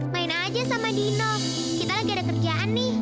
main aja sama dino kita lagi ada kerjaan nih